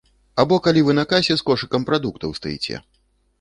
Або калі вы на касе з кошыкам прадуктаў стаіце.